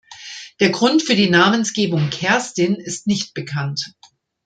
Der Grund für die Namensgebung „Kerstin“ ist nicht bekannt.